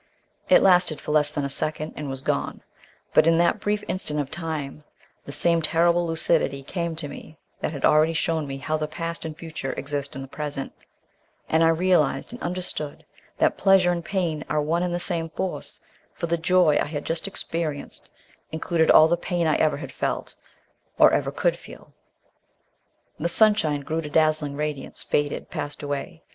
It lasted for less than a second, and was gone; but in that brief instant of time the same terrible lucidity came to me that had already shown me how the past and future exist in the present, and I realised and understood that pleasure and pain are one and the same force, for the joy I had just experienced included also all the pain I ever had felt, or ever could feel. ... The sunshine grew to dazzling radiance, faded, passed away.